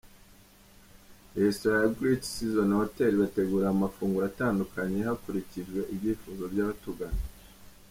Restaurant ya Great Seasons Hotel ibategurira amafunguro atandukanye hakurikijwe ibyifuzo by’abatugana.